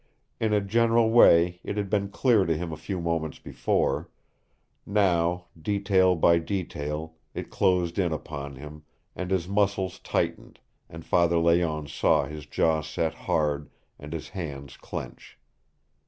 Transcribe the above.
In a general way it had been clear to him a few moments before; now, detail by detail, it closed in upon him, and his muscles tightened, and Father Layonne saw his jaw set hard and his hands clench.